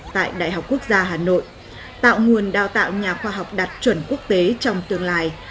tại đại học quốc gia hà nội tạo nguồn đào tạo nhà khoa học đạt chuẩn quốc tế trong tương lai